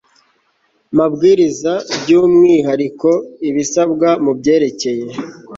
mabwiriza by umwihariko ibisabwa mu byerekeye